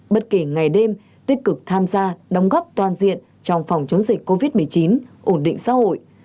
bất kỳ ngày đêm tích cực tham gia đóng góp toàn diện trong phòng chống dịch covid một mươi chín ổn định xã hội